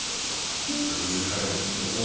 グリーンカレーもいっとこう。